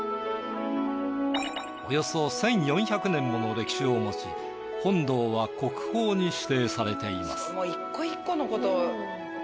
およそ１４００年もの歴史を持ち本堂は国宝に指定されています。